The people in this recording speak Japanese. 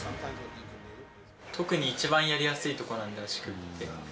特に一番やりやすいとこなんで、足首って。